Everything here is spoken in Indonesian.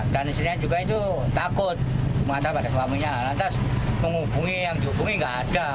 dan istrinya juga itu takut mengatakan pada suaminya lantas menghubungi yang dihubungi nggak ada